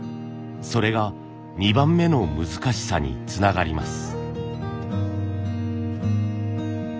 それが２番目の難しさにつながります。